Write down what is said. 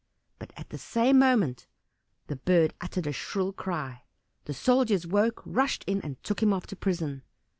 But at the same moment the bird uttered a shrill cry. The soldiers awoke, rushed in, and took him off to prison.